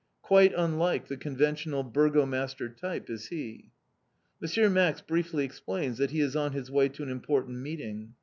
Quite unlike the conventional Burgomaster type is he. M. Max briefly explains that he is on his way to an important meeting.